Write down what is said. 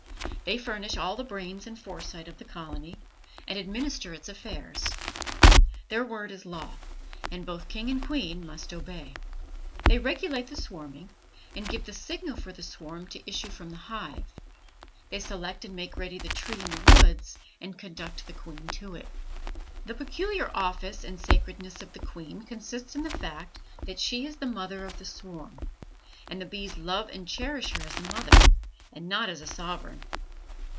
They furnish all the brains and foresight of the colony, and administer its affairs. Their word is law, and both king and queen must obey. They regulate the swarming, and give the signal for the swarm to issue from the hive; they select and make ready the tree in the woods and conduct the queen to it. The peculiar office and sacredness of the queen consists in the fact that she is the mother of the swarm, and the bees love and cherish her as a mother and not as a sovereign.